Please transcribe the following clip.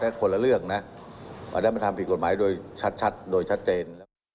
เมื่อมีคนละเรื่องนะอาจจะถามผิดกฎหมายโดยชัดโดยชัดเจน